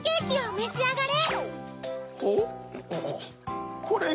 めしあがれ。